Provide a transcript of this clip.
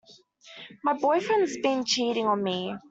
My boyfriend's been cheating on me.